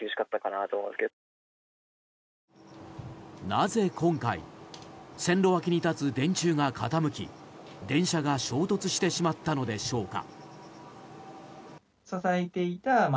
なぜ今回線路脇に立つ電柱が傾き電車が衝突してしまったのでしょうか。